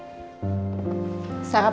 lupa terserah vips